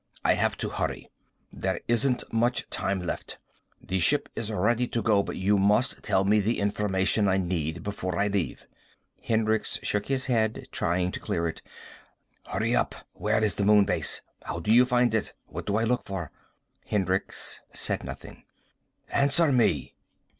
"I have to hurry. There isn't much time left. The ship is ready to go, but you must tell me the information I need before I leave." Hendricks shook his head, trying to clear it. "Hurry up! Where is the Moon Base? How do I find it? What do I look for?" Hendricks said nothing. "Answer me!"